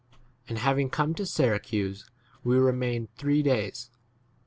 And having come to Syracuse we re 13 mained three days.